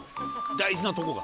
大事なとこが。